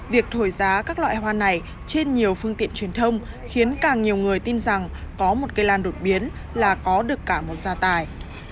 việc thổi giá các loại hoa này trên nhiều phương tiện truyền thông khiến càng nhiều người tin rằng có một cây lan đột biến là có được cả một gia tài